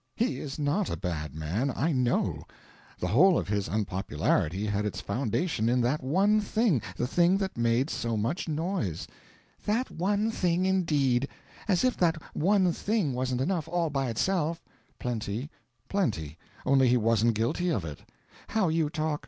"He is not a bad man. I know. The whole of his unpopularity had its foundation in that one thing the thing that made so much noise." "That 'one thing,' indeed! As if that 'one thing' wasn't enough, all by itself." "Plenty. Plenty. Only he wasn't guilty of it." "How you talk!